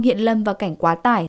hiện lâm vào cảnh quá tải